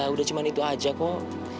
udah cuma itu aja kok